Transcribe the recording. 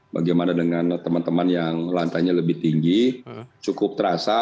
bagaimana dengan teman teman yang lantainya lebih tinggi cukup terasa